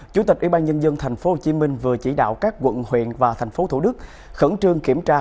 chủ tịch ủy ban nhân dân tp hcm vừa chỉ đạo các quận huyện và thành phố thủ đức khẩn trương kiểm tra